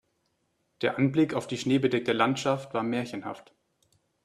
Der Anblick auf die schneebedeckte Landschaft war märchenhaft.